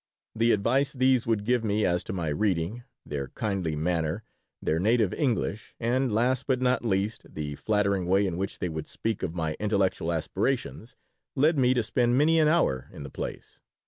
The advice these would give me as to my reading, their kindly manner, their native English, and, last but not least, the flattering way in which they would speak of my intellectual aspirations, led me to spend many an hour in the place.